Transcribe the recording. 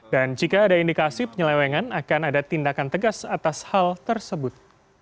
dan jika ada indikasi penyelewengan akan ada tindakan tegas atas hal tersebut